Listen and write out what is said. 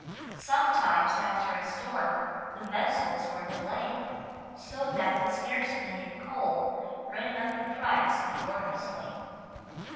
Sometimes after a storm the vessels were delayed, so that the scarcity of coal ran up the price enormously.